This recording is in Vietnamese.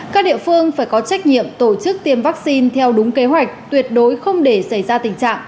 các địa phương phải có trách nhiệm tổ chức tiêm vaccine theo đúng kế hoạch tuyệt đối không để xảy ra tình trạng